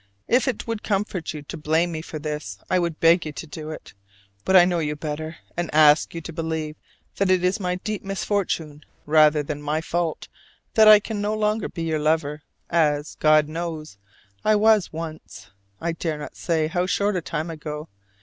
If it would comfort you to blame me for this I would beg you to do it: but I know you better, and ask you to believe that it is my deep misfortune rather than my fault that I can be no longer your lover, as, God knows, I was once, I dare not say how short a time ago.